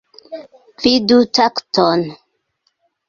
Vidu takton.